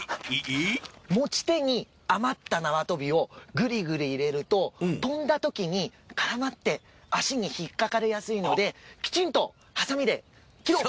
持ち手にあまったなわとびをグリグリ入れるととんだときに絡まって足に引っかかりやすいのできちんとハサミで切ろう。